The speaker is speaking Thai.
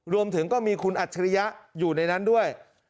รวมถึงก็มีคุณอัจฉริยะอยู่ในนั้นด้วย